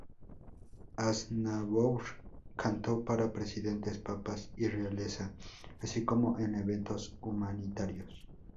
Aznavour cantó para presidentes, papas y realeza, así como en eventos humanitarios.